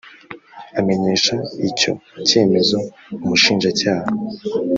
amenyesha icyo cyemezo umushinjacyaha